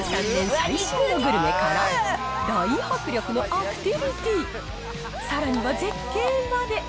最新グルメから、大迫力のアクティビティー、さらには絶景まで。